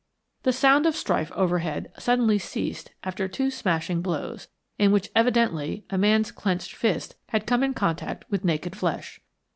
The sound of strife overhead suddenly ceased after two smashing blows, in which evidently a man's clenched fist had come in contact with naked flesh.